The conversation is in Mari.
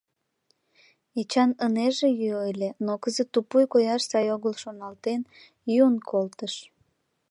Эчан ынеже йӱ ыле, но кызыт тупуй кояш сай огыл шоналтен, йӱын колтыш.